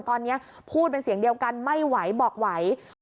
ตอนนี้พูดเป็นเสียงเดียวกันไม่ไหวบอกไหว